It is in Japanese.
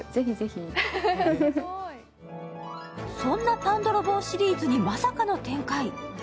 そんなパンどろぼうシリーズにまさかの展開。